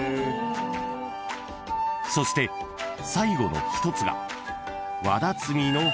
［そして最後の１つが］